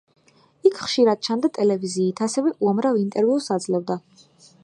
ის ხშირად ჩანდა ტელევიზიით, ასევე უამრავ ინტერვიუს აძლევდა.